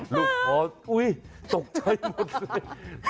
ลูกค้ออุ้ยตกใจหมดเลย